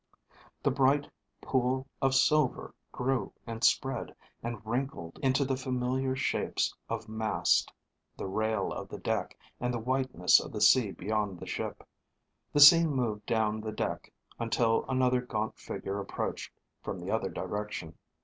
_The bright pool of silver grew and spread and wrinkled into the familiar shapes of mast, the rail of the deck, and the whiteness of the sea beyond the ship. The scene moved down the deck, until another gaunt figure approached from the other direction.